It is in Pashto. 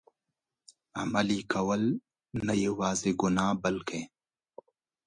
عملي کول، نه یوازي ګناه بلکه.